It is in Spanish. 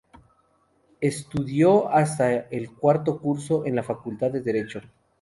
Estudió hasta el cuarto curso en la Facultad de Derecho.